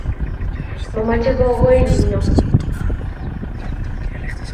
machame gogoe nino